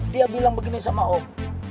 dia bilang begini sama om